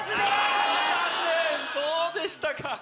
そうでしたか。